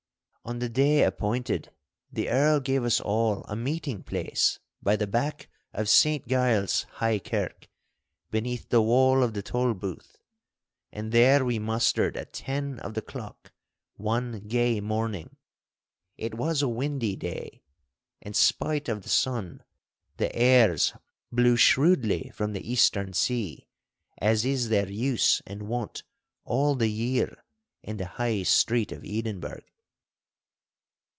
On the day appointed the Earl gave us all a meeting place by the back of Saint Giles' High Kirk, beneath the wall of the Tolbooth. And there we mustered at ten of the clock one gay morning. It was a windy day, and, spite of the sun, the airs blew shrewdly from the eastern sea, as is their use and wont all the year in the High Street of Edinburgh.